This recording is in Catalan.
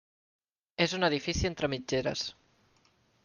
És un edifici entre mitgeres.